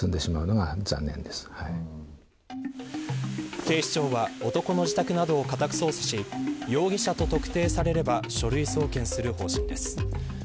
警視庁は男の自宅などを家宅捜査し容疑者と特定されれば書類送検する方針です。